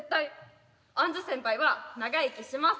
アンズ先輩は長生きします。